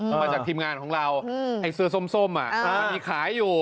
มาจากทีมงานของเราไอ้เสื้อส้มมันมีขายอยู่